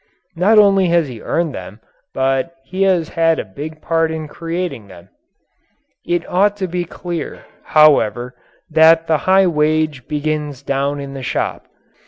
Not only has he earned them, but he has had a big part in creating them. It ought to be clear, however, that the high wage begins down in the shop.